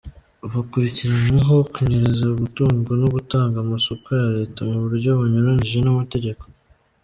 Bakurikiranweho kunyereza umutungo no gutanga amasoko ya Leta mu buryo bunyuranije n’amategeko.